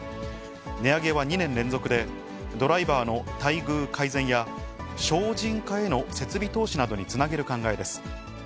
値上げは２年連続で、ドライバーの待遇改善や省人化への設備投資などにつなげる考えです。